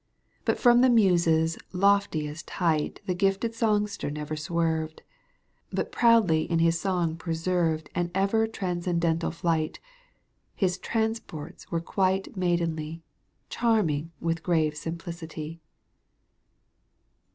But from the Muses' loftiest height The gifted songster never swerved. But proudly in his song preserved An ever transcendental flight ; His transports were quite maidenly, Charming with grave simplicity.